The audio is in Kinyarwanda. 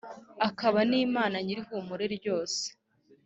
akaba n’Imana nyir’ihumure ryose